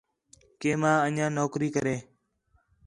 کہ ماں انڄیاں نوکری کرے